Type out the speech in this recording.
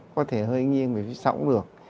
có thể hơi nghiêng về phía sau cũng được